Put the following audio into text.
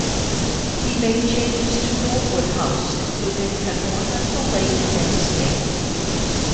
He made changes to Norwood House including an ornamental lake and a stable.